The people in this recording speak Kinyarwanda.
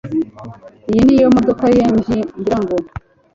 Iyi niyo modoka ye ngira ngo